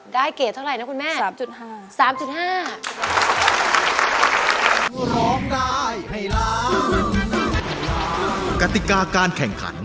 เกรดเท่าไหร่นะคุณแม่๓๕๓๕